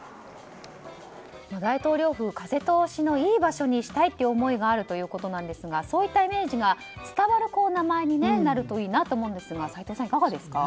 大統領府を風通しのいい場所にしたいという思いがあるということなんですがそういったイメージが伝わる名前になるといいなと思いますが齋藤さん、いかがですか。